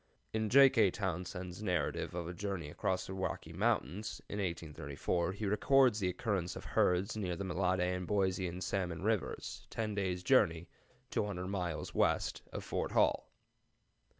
[In J. K. Townsend's "Narrative of a Journey across the Rocky Mountains," in 1834, he records the occurrence of herds near the Mellade and Boise and Salmon Rivers, ten days' journey 200 miles west of Fort Hall.